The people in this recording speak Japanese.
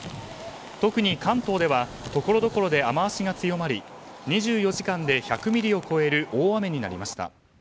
特に関東ではところどころで雨脚が強まり２４時間で１００ミリを超える大雨になりました。